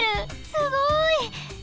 すごい！